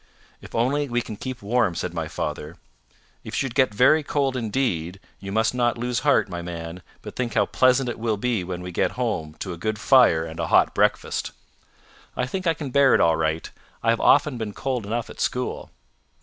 "If only we can keep warm," said my father. "If you should get very cold indeed, you must not lose heart, my man, but think how pleasant it will be when we get home to a good fire and a hot breakfast." "I think I can bear it all right. I have often been cold enough at school."